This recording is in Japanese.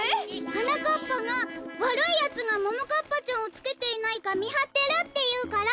はなかっぱがわるいやつがももかっぱちゃんをつけていないかみはってるっていうから。